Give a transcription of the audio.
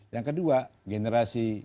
yang kedua generasi